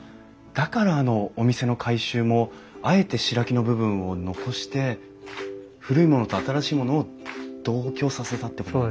だからあのお店の改修もあえて白木の部分を残して古いものと新しいものを同居させたってこと。